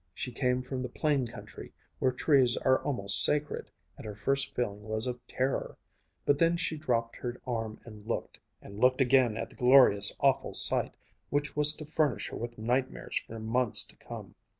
She came from the plain country, where trees are almost sacred, and her first feeling was of terror. But then she dropped her arm and looked, and looked again at the glorious, awful sight which was to furnish her with nightmares for months to come.